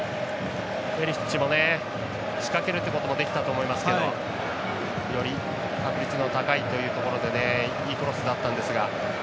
ペリシッチも仕掛けることはできたと思いますけどより確率の高いというところでいいクロスだったんですが。